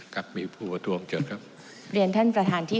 ครับมีผู้ประท้วงเชิญครับเรียนท่านประธานที่